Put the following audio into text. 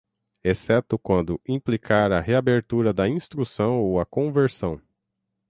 exceto quando implicar a reabertura da instrução ou a conversão